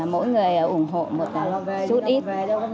mỗi người ủng hộ một chút ít